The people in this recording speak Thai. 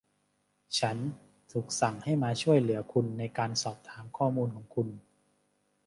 ฉันถูกสั่งให้มาช่วยเหลือคุณในการสอบถามข้อมูลของคุณ